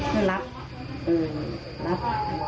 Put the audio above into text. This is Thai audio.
นี่รับเออรับ